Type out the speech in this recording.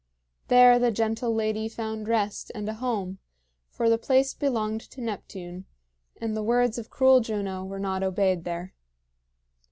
There the gentle lady found rest and a home; for the place belonged to Neptune, and the words of cruel Juno were not obeyed there.